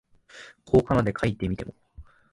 こう仮名で書いてみても、